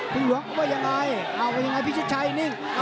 พี่หลวงว่าอย่างไรเอาว่ายังไงพี่ชักชัยนี่